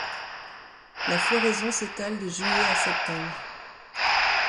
La floraison s'étale de juillet à septembre.